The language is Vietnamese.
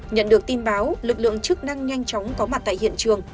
nhận được tin báo lực lượng chức năng nhanh chóng có mặt tại hiện trường